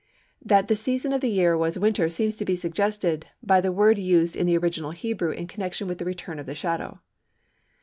That the season of the year was winter seems to be suggested by the word used in the original Hebrew in connection with the return of the shadow.